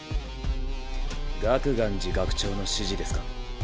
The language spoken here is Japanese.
楽巌寺学長の指示ですか？